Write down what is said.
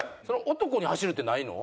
男に走るってないの？